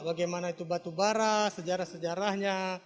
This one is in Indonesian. bagaimana itu batubara sejarah sejarahnya